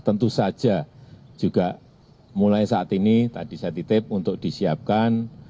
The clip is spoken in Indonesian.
tentu saja juga mulai saat ini tadi saya titip untuk disiapkan